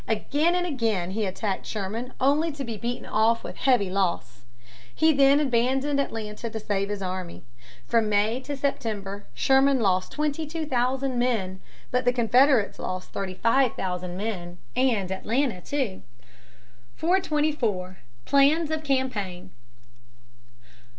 Again and again he attacked Sherman only to be beaten off with heavy loss. He then abandoned Atlanta to save his army. From May to September Sherman lost twenty two thousand men, but the Confederates lost thirty five thousand men and Atlanta too. [Sidenote: Problems of war.] [Sidenote: Plan of the March to the Sea.] 424. Plans of Campaign.